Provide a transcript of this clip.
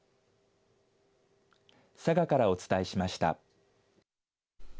佐賀からお伝えしました。